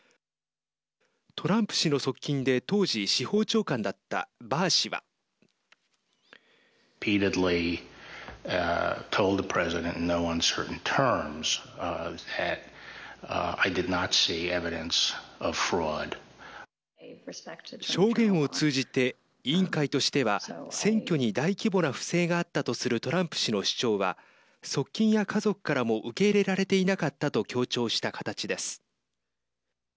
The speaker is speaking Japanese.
トランプ氏の側近で当時、司法長官だったバー氏は。証言を通じて委員会としては選挙に大規模な不正があったとするトランプ氏の主張は側近や家族からも受け入れられていなかったと強調した形です。